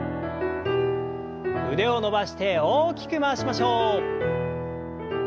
腕を伸ばして大きく回しましょう。